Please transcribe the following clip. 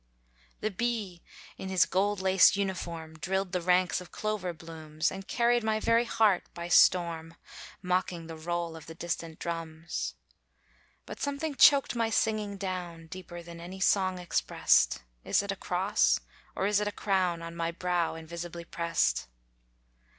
The bee in his gold laced uniform, Drilled the ranks of clover blooms, And carried my very heart by storm, Mocking the roll of the distant drums. But something choked my singing down, Deeper than any song expressed. Is it a cross, or is it a crown On my brow invisibly pressed!